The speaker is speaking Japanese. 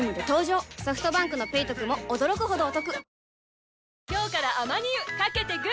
ソフトバンクの「ペイトク」も驚くほどおトク